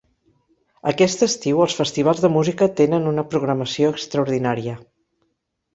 Aquest estiu els festivals de Música tenen una programació extraordinària.